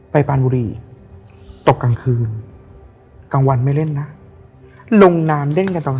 ปานบุรีตกกลางคืนกลางวันไม่เล่นนะลงน้ำเล่นกันตอน